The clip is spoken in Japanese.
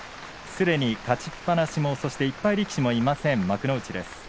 すでに勝ちっぱなしも１敗力士もいません、幕内です。